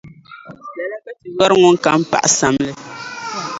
Lala ka Ti yɔri ŋuŋ kam paɣi samli.